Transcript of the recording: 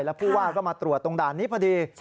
แล้วผู้ว่าก็มาตรวจตรงด่านนี้พอดี